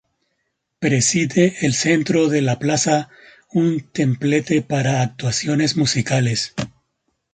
Preside el centro de la plaza un templete para actuaciones musicales.